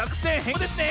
こうですね！